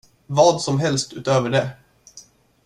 Vad som helst utöver det.